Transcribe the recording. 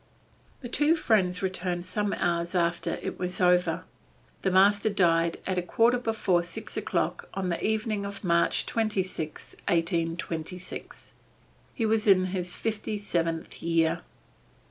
The two friends returned some hours after all was over. The master died at a quarter before six o'clock on the evening of March 26, 1826. He was in his fifty seventh year.